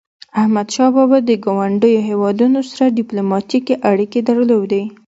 احمدشاه بابا د ګاونډیو هیوادونو سره ډیپلوماټيکي اړيکي درلودی.